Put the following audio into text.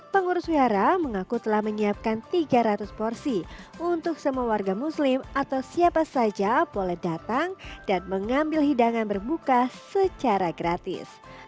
pengurus wihara mengaku telah menyiapkan tiga ratus porsi untuk semua warga muslim atau siapa saja boleh datang dan mengambil hidangan berbuka secara gratis